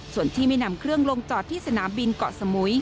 ส่วนที่ไม่นำเครื่องลงจอดที่สนามบินเกาะสมุย